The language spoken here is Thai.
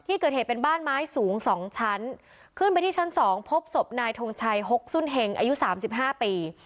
ที่เกิดเหตุเป็นบ้านไม้สูงสองชั้นขึ้นไปที่ชั้นสองพบศพนายทงชัยหกสุนเห็งอายุสามสิบห้าปี